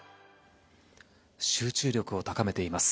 集中力を高めています。